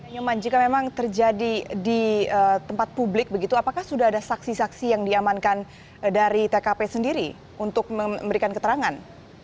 nyoman jika memang terjadi di tempat publik begitu apakah sudah ada saksi saksi yang diamankan dari tkp sendiri untuk memberikan keterangan